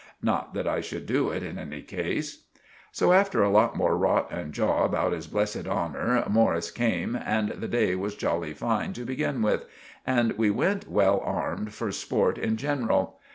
Not that I should do it in any case." So after a lot more rot and jaw about his blessed honour, Morris came, and the day was jolly fine to begin with, and we went well armed for sport in genral.